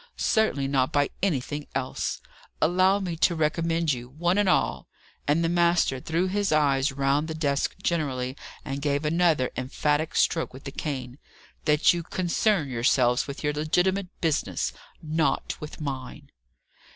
Certainly not by anything else. Allow me to recommend you, one and all" and the master threw his eyes round the desks generally, and gave another emphatic stroke with the cane "that you concern yourselves with your legitimate business; not with mine."